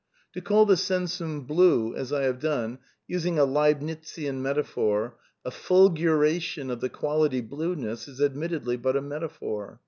To call the sensiun blue, as I have done, using a Leibnizian meta phor, a fulguration of the quality blueness is admittedly but a metaphor.